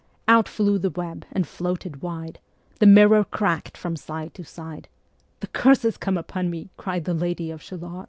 Out flew the web and floated wide; The mirror crack'd from side to side; "The curse is come upon me," cried Ā Ā The Lady of Shalott.